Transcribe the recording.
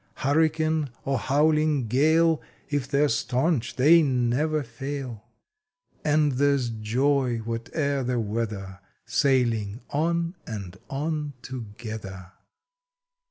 Hurricane or howling gale, If they re stanch they never fail, And there s joy whate er the weather, Sailing on and on together.